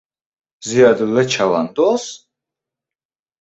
— Ziyodulla chavandoz?